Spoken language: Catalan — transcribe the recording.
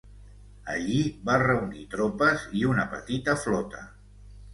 Allí va reunir tropes i una petita flota.